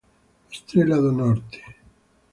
Estrela do Norte